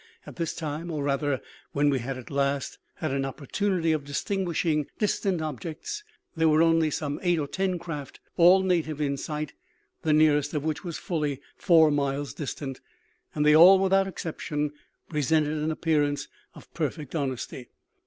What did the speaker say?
At this time or rather, when we had last had an opportunity of distinguishing distant objects there were only some eight or ten craft, all native, in sight, the nearest of which was fully four miles distant; and they all, without exception, presented an appearance of perfect honesty.